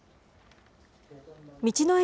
道の駅